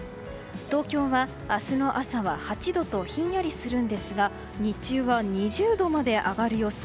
東京は明日の朝は８度とひんやりするんですが日中は２０度まで上がる予想。